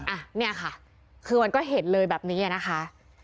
อ่ะเนี่ยค่ะคือมันก็เห็นเลยแบบนี้อ่ะนะคะ